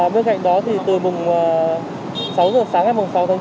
bên cạnh đó thì từ vùng sáu h sáng đến vùng sáu tháng chín